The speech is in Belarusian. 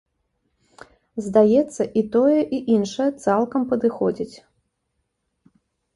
Здаецца, і тое, і іншае цалкам падыходзіць.